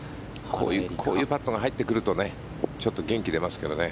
こういうパットが入ってくるとちょっと元気出ますけどね。